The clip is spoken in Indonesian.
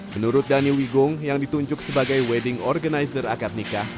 menurut dhani wigung yang ditunjuk sebagai wedding organizer akad nikah